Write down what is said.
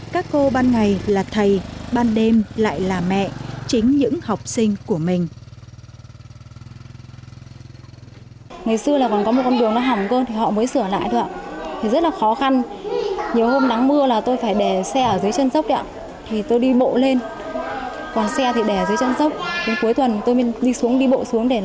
các cô ban ngày là thầy ban đêm lại là mẹ chính những học sinh của mình